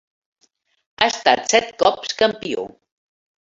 Ha estat set cops campió.